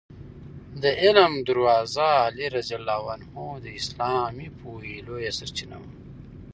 د علم دروازه علي رض د اسلامي پوهې لویه سرچینه وه.